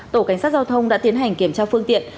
tổ cảnh sát giao thông đã tiến hành kiểm tra phương tiện